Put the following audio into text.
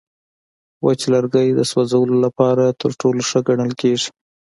وچ لرګی د سوځولو لپاره تر ټولو ښه ګڼل کېږي.